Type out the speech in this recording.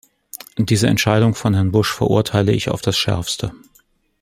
Diese Entscheidung von Herrn Bush verurteile ich auf das Schärfste.